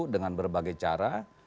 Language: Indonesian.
dengan berbagai cara